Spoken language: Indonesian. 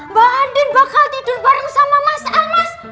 mbak andi bakal tidur bareng sama mas al mas